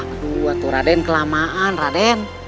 aduh atau raden kelamaan raden